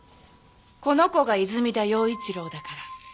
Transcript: この子が泉田耀一郎だから。